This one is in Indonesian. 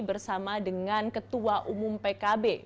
bersama dengan ketua umum pkb